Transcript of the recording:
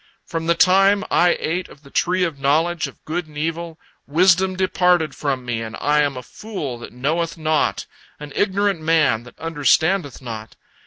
From the time I ate of the tree of knowledge of good and evil, wisdom departed from me, and I am a fool that knoweth naught, an ignorant man that understandeth not.